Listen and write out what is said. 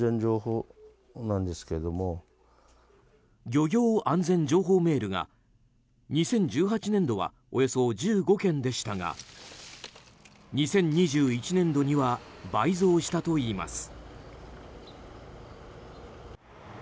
漁業安全情報メールが２０１８年度はおよそ１５件でしたが２０２１年度には倍増したといいます。